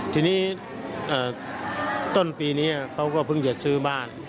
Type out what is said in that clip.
ทีนี้ต้นปีนี้เขาก็เพิ่งจะซื้อบ้าน